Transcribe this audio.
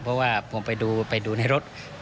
เพราะว่าผมไปดูในรถ